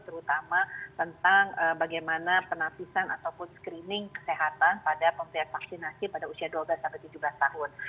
terutama tentang bagaimana penapisan ataupun screening kesehatan pada pemilihan vaksinasi pada usia dua belas tujuh belas tahun